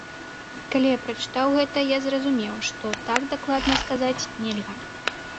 Калі я прачытаў гэта, я зразумеў, што так дакладна сказаць нельга.